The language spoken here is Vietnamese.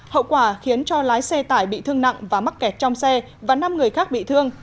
hậu quả khiến cho lái xe tải bị thương nặng và mắc kẹt trong xe và năm người khác bị thương